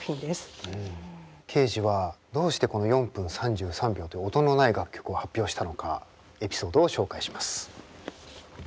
ケージはどうしてこの「４分３３秒」という音のない楽曲を発表したのかエピソードを紹介します。